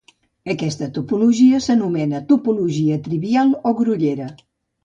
Aquesta topologia s'anomena topologia trivial o grollera.